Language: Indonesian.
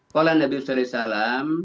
kolam nabi saw